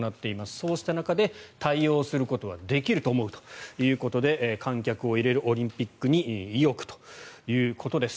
そうした中で対応することはできると思うということで観客を入れるオリンピックに意欲ということです。